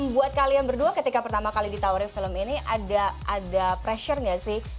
buat kalian berdua ketika pertama kali ditawarin film ini ada pressure nggak sih